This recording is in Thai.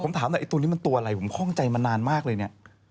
ผมถามหน่อยไอ้ตัวนี้มันตัวอะไรผมข้องใจมานานมากเลยเนี่ย